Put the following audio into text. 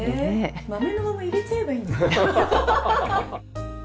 豆のまま入れちゃえばいいのに。